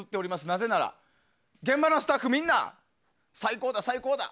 なぜなら現場のスタッフみんな最高だ、最高だ